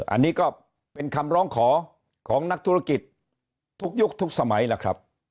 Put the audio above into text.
อันนี้ก็เป็นคำร้องขอของนักธุรกิจทุกยุคทุกสมัยแล้วครับ